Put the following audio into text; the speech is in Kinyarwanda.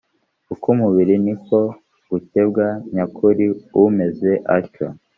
uk umubiri ni ko gukebwa nyakuri umeze atyo